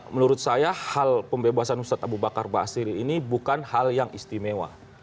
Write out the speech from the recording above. menurut saya hal pembebasan ustadz abu bakar basir ini bukan hal yang istimewa